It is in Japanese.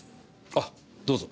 あどうぞ。